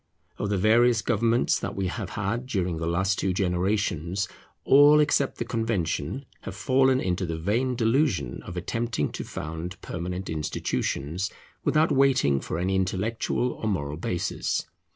Of the various governments that we have had during the last two generations, all, except the Convention, have fallen into the vain delusion of attempting to found permanent institutions, without waiting for any intellectual or moral basis.